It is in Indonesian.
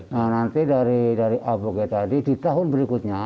nah nanti dari aboge tadi di tahun berikutnya